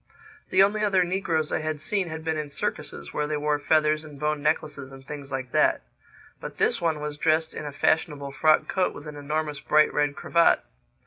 The only other negroes I had seen had been in circuses, where they wore feathers and bone necklaces and things like that. But this one was dressed in a fashionable frock coat with an enormous bright red cravat.